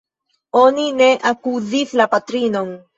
Oni ne akuzis la patrinon.